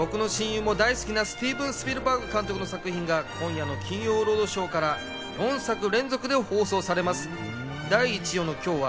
僕の親友も大好きなスティーヴン・スピルバーグ監督の作品が今夜の『金曜ロードショー』から４作連続で放送されます。